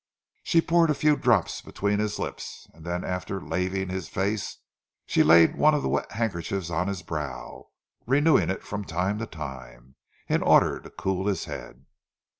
She poured a few drops between his lips, and then after laving his face, she laid one of the wet handkerchiefs on his brow, renewing it, from time to time, in order to cool his head.